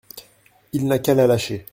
Il n’a qu’à la lâcher.